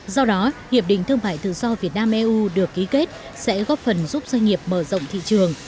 do đó hiệp định thương mại tự do việt nam eu được ký kết sẽ góp phần giúp doanh nghiệp mở rộng thị trường